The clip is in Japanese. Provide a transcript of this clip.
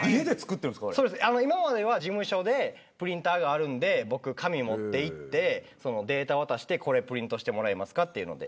今までは事務所でプリンターがあるので紙を持っていってデータを渡してプリントしてもらえますかというので。